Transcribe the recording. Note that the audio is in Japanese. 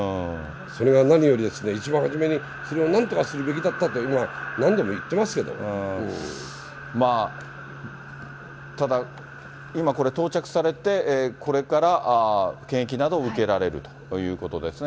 それが何よりですね、一番初めにそれをなんとかするべきだったと、何度も言ってますけただ、今、これ到着されて、これから検疫などを受けられるということですね。